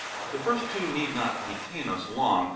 The first two need not detain us long.